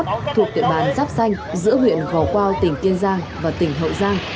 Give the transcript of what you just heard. trong khi đó một địa bàn giáp xanh giữa huyện hò quao tỉnh kiên giang và tỉnh hậu giang